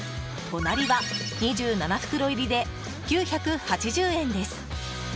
隣は２７袋入りで９８０円です。